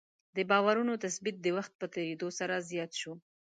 د باورونو تثبیت د وخت په تېرېدو سره زیات شو.